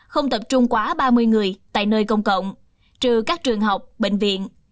không tập trung quá ba mươi người tại nơi công cộng trừ các trường học bệnh viện